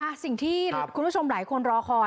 สิ่งที่คุณผู้ชมหลายคนรอคอย